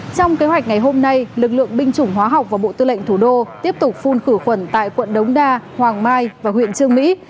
trong kế hoạch ngày hôm nay lực lượng binh chủng hóa học và bộ tư lệnh thủ đô tiếp tục phun khử khuẩn tại quận đống đa hoàng mai và huyện trương mỹ